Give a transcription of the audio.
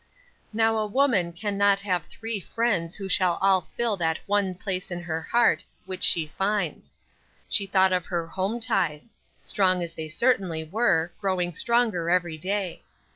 Now a woman can not have three friends who shall all fill that one place in her heart which she finds. She thought of her home ties; strong they certainly were; growing stronger every day.